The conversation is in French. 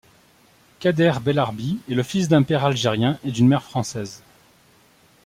Kader Belarbi est le fils d'un père algérien et d'une mère française.